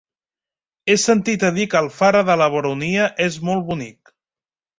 He sentit a dir que Alfara de la Baronia és molt bonic.